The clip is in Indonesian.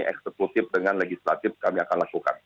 eksekutif dengan legislatif kami akan lakukan